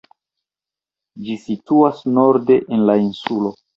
Ĝi situas norde en la insulo.